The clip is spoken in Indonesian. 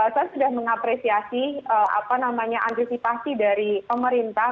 saya sudah mengapresiasi apa namanya antisipasi dari pemerintah